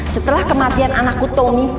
setelah kematian anakku tommy